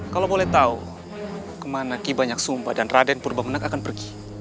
kalau boleh tahu kemana ki banyak sumba dan raden purba menak akan pergi